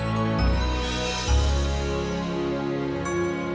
terima kasih ya allah